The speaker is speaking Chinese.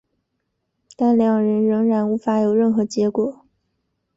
但两人仍然无法有任何结果。